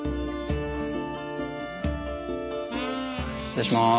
失礼します。